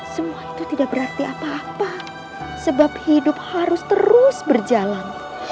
semua itu tidak berarti apa apa sebab hidup harus terus berjalan